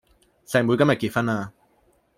細妹今日結婚啦！